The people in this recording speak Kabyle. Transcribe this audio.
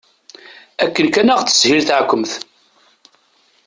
Akken kan ad aɣ-teshil teɛkemt.